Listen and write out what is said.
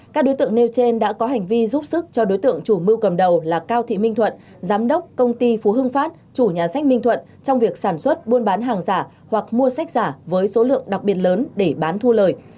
các đối tượng nêu trên đã có hành vi giúp sức cho đối tượng chủ mưu cầm đầu là cao thị minh thuận giám đốc công ty phú hưng phát chủ nhà sách minh thuận trong việc sản xuất buôn bán hàng giả hoặc mua sách giả với số lượng đặc biệt lớn để bán thu lời